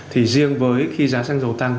thì riêng với khi giá xăng dầu tăng